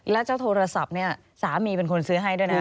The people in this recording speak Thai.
แล้วเจ้าโทรศัพท์เนี่ยสามีเป็นคนซื้อให้ด้วยนะ